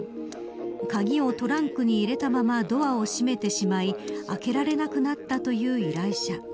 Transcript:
鍵をトランクに入れたままドアを閉めてしまい開けられなくなったという依頼者。